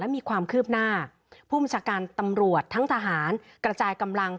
มีความคืบหน้าผู้บัญชาการตำรวจทั้งทหารกระจายกำลัง